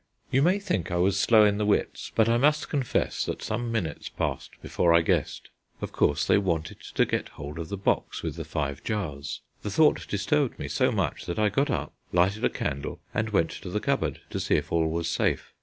You may think I was slow in the wits, but I must confess that some few minutes passed before I guessed. Of course they wanted to get hold of the box with the five jars. The thought disturbed me so much that I got up, lighted a candle, and went to the cupboard to see if all was safe.